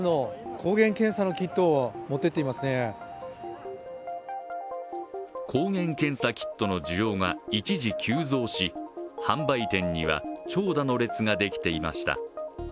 抗原検査キットの需要が一時急増し、販売店には長蛇の列ができていました。